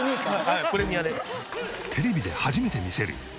はいプレミアで。